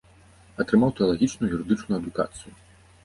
Атрымаў тэалагічную і юрыдычную адукацыю.